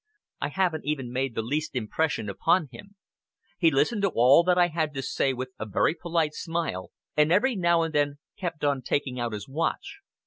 I haven't even made the least impression upon him. He listened to all that I had to say with a very polite smile, and every now and then kept on taking out his watch.